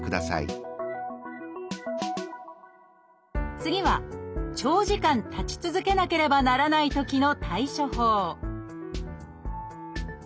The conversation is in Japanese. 次は長時間立ち続けなければならないときの対処法